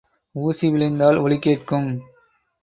ஊசி விழுந்தால் ஒலி கேட்கும்.